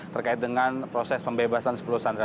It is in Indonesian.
terkait dengan proses pembebasan sepuluh sandera